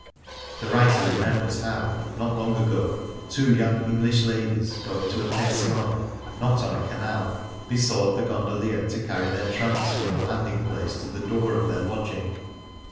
The writer remembers how, not long ago, two young English ladies, going to a pension not on a canal, besought the gondolier to carry their trunks from the landing place to the door of their lodging.